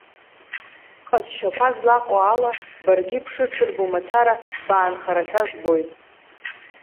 Бҟазшьақәа злаҟоу ала, баргьы бшыҽырбо мацара баанхарашәа збоит!